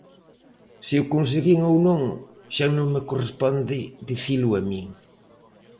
Se o conseguín ou non, xa non me corresponde dicilo a min.